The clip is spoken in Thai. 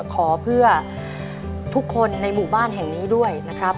ขอเพื่อทุกคนในหมู่บ้านแห่งนี้ด้วยนะครับ